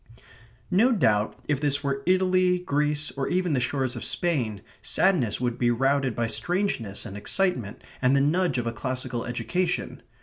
No doubt if this were Italy, Greece, or even the shores of Spain, sadness would be routed by strangeness and excitement and the nudge of a classical education.